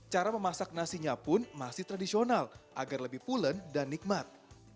cara memasak nasinya pun masih tradisional agar lebih pulen dan nikmat